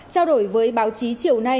giao đổi với báo chí chiều nay